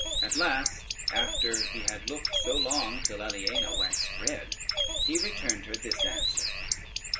At last, after he had looked so long, till Aliena waxed red, he returned her this answer: [Footnote 1: assault.